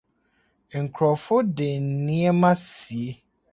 Nkurɔfo de nneɛma sie.